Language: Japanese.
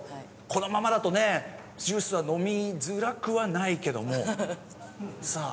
このままだとねジュースは飲みづらくはないけどもさあ。